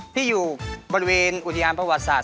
ที่อยู่บริเวณอุทยานประวัติศาสต